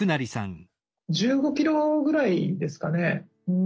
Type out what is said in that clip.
１５ｋｍぐらいですかね。